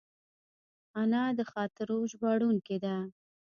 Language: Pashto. انا د خاطرو ژباړونکې ده